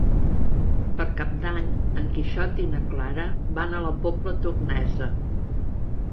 Per Cap d'Any en Quixot i na Clara van a la Pobla Tornesa.